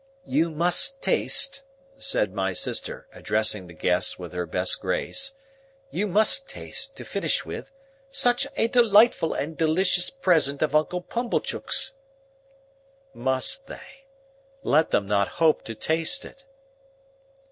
"You must taste," said my sister, addressing the guests with her best grace—"you must taste, to finish with, such a delightful and delicious present of Uncle Pumblechook's!" Must they! Let them not hope to taste it!